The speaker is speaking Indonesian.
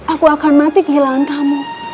aku akan mati kehilangan tamu